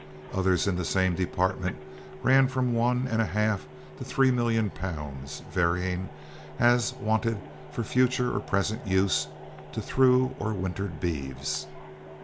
Others in the same department ran from one and a half to three million pounds, varying, as wanted for future or present use, to through or wintered beeves.